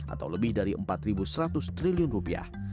atau lebih dari empat seratus triliun rupiah